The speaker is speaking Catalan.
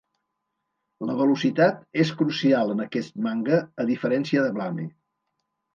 La velocitat és crucial en aquest manga, a diferència de Blame.